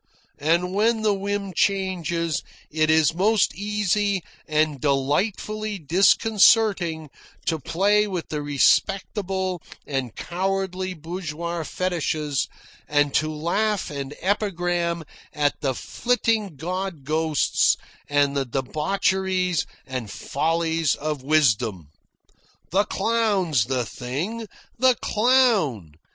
And, when the whim changes, it is most easy and delightfully disconcerting to play with the respectable and cowardly bourgeois fetishes and to laugh and epigram at the flitting god ghosts and the debaucheries and follies of wisdom. The clown's the thing! The clown!